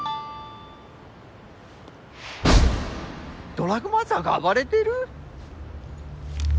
ドラァグマザーが暴れてる！？